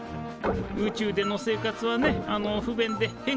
宇宙での生活はねあの不便で変化が少ない。